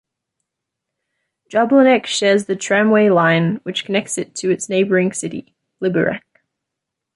Jablonec shares the tramway line which connects it to its neighboring city, Liberec.